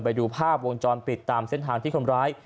ไปดูภาพวงจรปิดตามเส้นทางที่คนร้าย